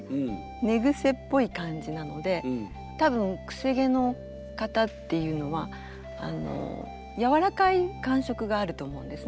寝ぐせっぽい感じなので多分くせ毛の方っていうのはやわらかい感触があると思うんですね。